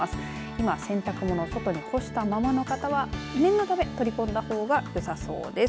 いま洗濯物を外に干している方は念のため取り込んだほうがよさそうです。